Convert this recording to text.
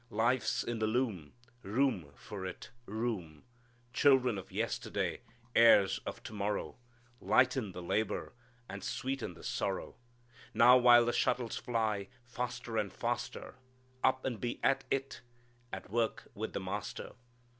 Life's in the loom, Room for it room! "Children of yesterday, Heirs of to morrow, Lighten the labor And sweeten the sorrow: Now while the shuttles fly Faster and faster, Up and be at it At work with the Master.